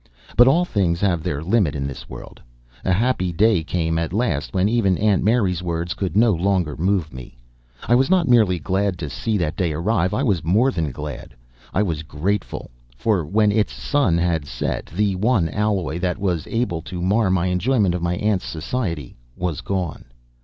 But all things have their limit in this world. A happy day came at last, when even Aunt Mary's words could no longer move me. I was not merely glad to see that day arrive; I was more than glad I was grateful; for when its sun had set, the one alloy that was able to mar my enjoyment of my aunt's society was gone.